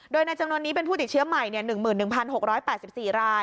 โดยในจำนวนนี้เป็นผู้ติดเชื้อใหม่๑๑๖๘๔ราย